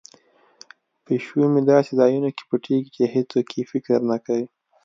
پیشو مې په داسې ځایونو کې پټیږي چې هیڅوک یې فکر نه کوي.